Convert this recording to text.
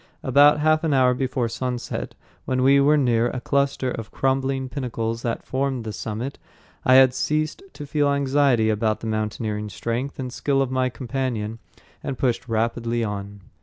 About half an hour before sunset, when we were near a cluster of crumbling pinnacles that formed the summit, I had ceased to feel anxiety about the mountaineering strength and skill of my companion, and pushed rapidly on.